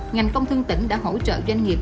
ngành công thương tỉnh đã hỗ trợ doanh nghiệp